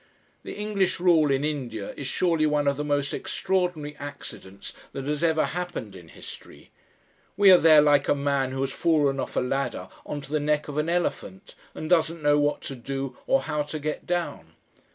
The English rule in India is surely one of the most extraordinary accidents that has ever happened in history. We are there like a man who has fallen off a ladder on to the neck of an elephant, and doesn't know what to do or how to get down.